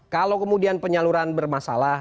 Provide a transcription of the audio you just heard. kalau kemudian penyaluran bermasalah